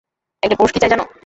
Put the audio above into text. একজন পুরুষ কি চায় জান?